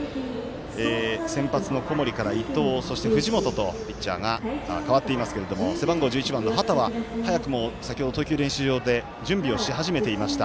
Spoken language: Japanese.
先発の小森から、伊藤そして藤本とピッチャーが代わっていますが背番号１１の畑は早くも先ほど投球練習場で準備をしていました。